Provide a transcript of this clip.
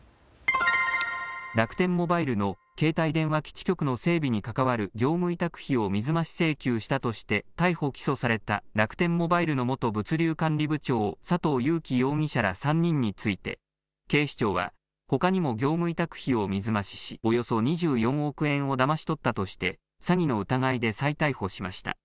楽天モバイルの携帯電話基地局の整備に関わる業務委託費を水増し請求したとして逮捕・起訴された楽天モバイルの元物流管理部長、佐藤友紀容疑者ら３人について警視庁はほかにも業務委託費を水増しし、およそ２４億円をだまし取ったとして詐欺の疑いで再逮捕しました。